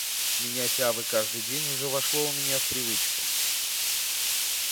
Менять авы каждый день уже вошло у меня в привычку.